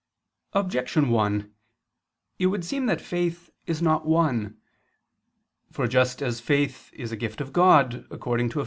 Objection 1: It would seem that faith is not one. For just as faith is a gift of God according to Eph.